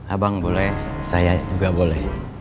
abang boleh saya juga boleh